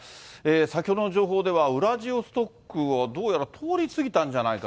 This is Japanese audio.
先ほどの情報では、ウラジオストクはどうやら通り過ぎたんじゃないか。